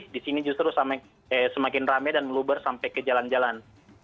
di sini justru semakin rame dan meluber sampai ke jalan jalan